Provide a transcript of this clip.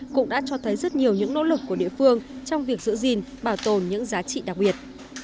cũng đã cho thấy rất nhiều những nỗ lực của địa phương trong việc giữ gìn bảo tồn những giá trị đặc biệt